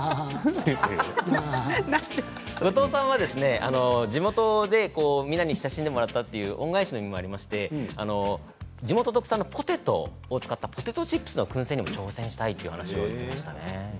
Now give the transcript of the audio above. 後藤さんは地元でみんなに親しんでもらったという恩返しの意味がありまして地元特産のポテトを使ったポテトチップスのくん製にも挑戦したという話をしていました。